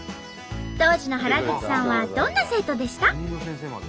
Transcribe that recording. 当時の原口さんはどんな生徒でした？